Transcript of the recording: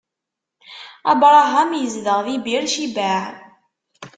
Abṛaham izdeɣ di Bir Cibaɛ.